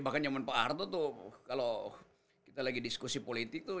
bahkan zaman pak harto tuh kalau kita lagi diskusi politik tuh